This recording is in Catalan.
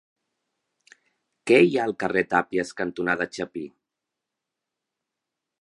Què hi ha al carrer Tàpies cantonada Chapí?